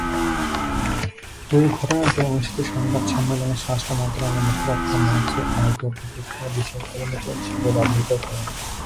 দুর্ঘটনার দিন অনুষ্ঠিত সংবাদ সম্মেলনে স্বরাষ্ট্র মন্ত্রণালয়ের মুখপাত্র মনসুর আল-তুর্কি দুর্ঘটনা বিষয়ে তদন্ত চলছে বলে অবিহিত করেন।